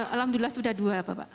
alhamdulillah sudah dua bapak